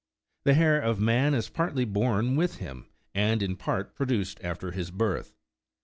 The hair of man is partly born with him, and in part produced after his birth.